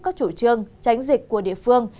các chủ trương tránh dịch của địa phương